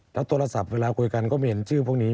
แล้วโทรศัพท์เวลาคุยกันก็ไม่เห็นชื่อพวกนี้